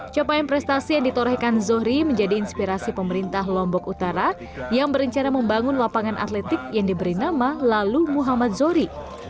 capaian prestasi yang ditorehkan zohri menjadi inspirasi pemerintah lombok utara yang berencana membangun lapangan atletik yang diberi nama lalu muhammad zohri